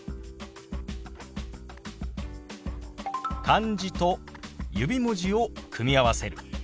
漢字と指文字を組み合わせる。